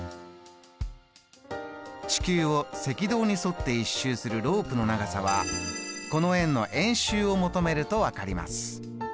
地球を赤道に沿って１周するロープの長さはこの円の円周を求めると分かります。